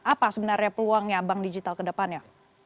apa sebenarnya peluangnya bank digital ke depannya